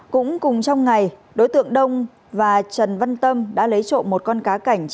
cũng cùng trong ngày đối tượng đông và trần văn tâm đã lấy trộm một con cá cảnh